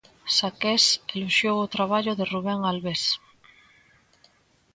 Saqués eloxiou o traballo de Rubén Albés.